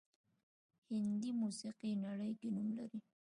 هندي موسیقي نړۍ کې نوم لري